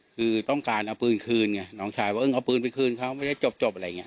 คือต้องการเอาปืนคืนไงน้องชายว่าเออเอาปืนไปคืนเขาไม่ได้จบอะไรอย่างนี้